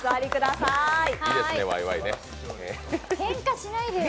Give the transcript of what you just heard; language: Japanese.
けんかしないでよ。